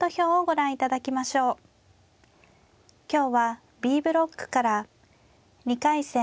今日はＢブロックから２回戦